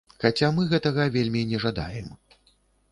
Хаця мы гэтага вельмі не жадаем.